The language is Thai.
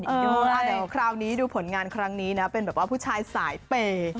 เดี๋ยวคราวนี้ดูผลงานครั้งนี้นะเป็นแบบว่าผู้ชายสายเปย์